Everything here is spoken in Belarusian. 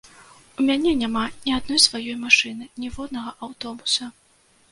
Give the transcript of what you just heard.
У мяне няма ні адной сваёй машыны, ніводнага аўтобуса.